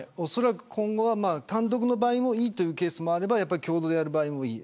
今後は単独の場合もいいというケースもあれば共同である場合もいい。